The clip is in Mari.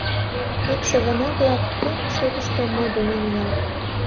Икшывына-влак тӱҥ шотышто мый денем илат.